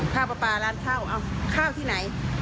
ปลาปลาร้านข้าวข้าวที่ไหน